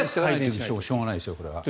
しょうがないですよこれは。